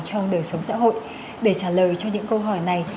trong đời sống xã hội để trả lời cho những câu hỏi này